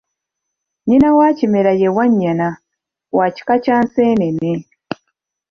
Nnyina wa Kimera ye Wannyana, wa kika kya Nseenene.